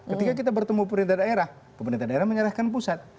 ketika kita bertemu pemerintah daerah pemerintah daerah menyerahkan pusat